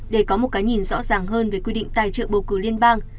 để có một cái nhìn rõ ràng hơn về quy định tài trợ bầu cử liên bang